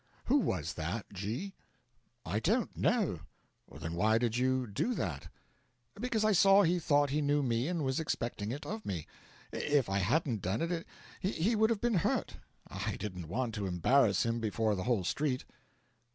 'Who was that, G ?' 'I don't know.' 'Then why did you do that?' 'Because I saw he thought he knew me and was expecting it of me. If I hadn't done it he would have been hurt. I didn't want to embarrass him before the whole street.'